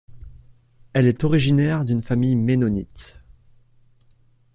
Elle est originaire d'une famille mennonite.